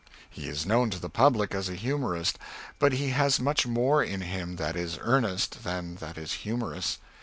He is known to the public as a humorist, but he has much more in him that is earnest than that is humorous.